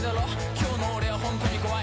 今日の俺は本当に怖い」